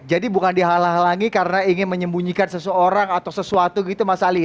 jadi bukan dihalang halangi karena ingin menyembunyikan seseorang atau sesuatu gitu mas ali